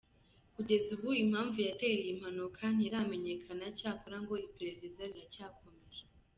Kugeza ubu impamvu yateye iyi mpanuka ntiramenyekana ,cyakora ngo iperereza riracyakomeje .